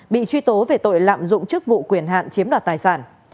bị truy tố về tội lạm dụng chức vụ quyền hạn chiếm đoạt tài sản